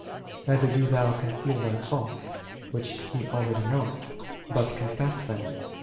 Neither do thou con ceal thy faults, which He already knoweth, but con fess them.